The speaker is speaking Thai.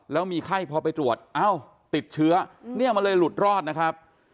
แล้วมีไข้พอไปตรวจติดเชื้อมันเลยหลุดรอดนะครับ